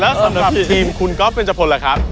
แล้วสำหรับทีมคุณก๊อฟเป็นจพลล่ะครับ